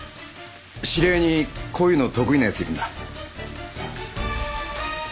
知り合いにこういうの得意なやついるんだ。